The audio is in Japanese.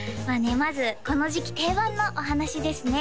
まずこの時期定番のお話ですね